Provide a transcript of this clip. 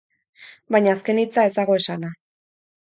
Baina azken hitza ez dago esana.